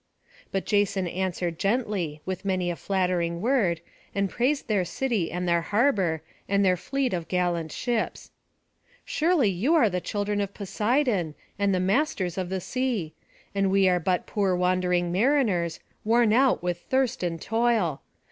But Jason answered gently, with many a flattering word, and praised their city and their harbour, and their fleet of gallant ships. "Surely you are the children of Poseidon, and the masters of the sea; and we are but poor wandering mariners, worn out with thirst and toil.